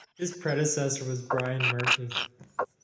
His predecessor was Brian Murphy.